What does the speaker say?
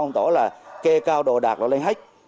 tổ là kê cao đồ đạc và lên hết